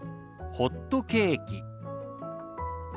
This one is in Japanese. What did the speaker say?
「ホットケーキ」。